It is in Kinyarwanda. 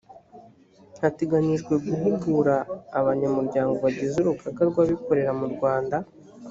hateganyijwe guhugura abanyamuryango bagize urugaga rw’abikorera mu rwanda